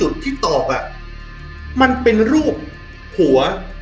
ที่ตอกอ่ะมันเป็นรูปหัว